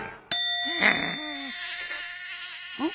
うん？